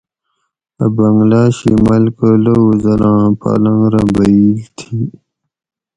اٞ بنگلا شی ملکہ لٞوو زراں پالنگ رہ بییل تھی